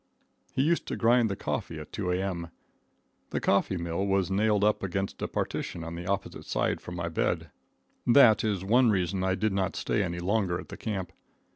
He used to grind the coffee at 2 A.M. The coffee mill was nailed up against a partition on the opposite side from my bed. That is one reason I did not stay any longer at the camp.